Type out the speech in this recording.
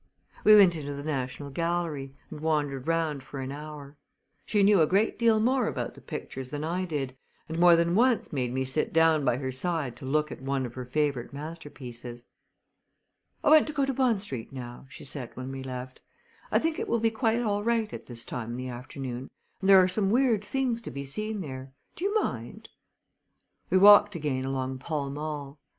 We went into the National Gallery and wandered round for an hour. She knew a great deal more about the pictures than I did, and more than once made me sit down by her side to look at one of her favorite masterpieces. "I want to go to Bond Street now," she said when we left, "I think it will be quite all right at this time in the afternoon, and there are some weird things to be seen there. Do you mind?" We walked again along Pall Mall.